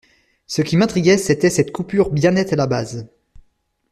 Ce qui m’intriguait, c’était cette coupure bien nette à la base.